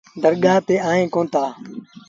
درگآه تي آئي ڪوئيٚتآ۔